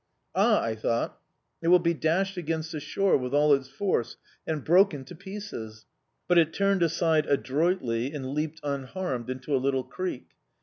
"Ah!" I thought, "it will be dashed against the shore with all its force and broken to pieces!" But it turned aside adroitly and leaped unharmed into a little creek.